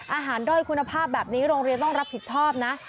ด้อยคุณภาพแบบนี้โรงเรียนต้องรับผิดชอบนะ